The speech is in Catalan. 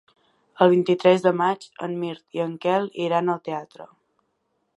El vint-i-tres de maig en Mirt i en Quel iran al teatre.